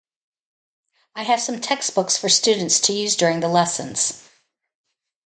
I have some textbooks for students to use during the lessons.